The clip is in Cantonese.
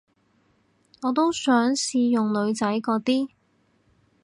我都想試用女仔嗰啲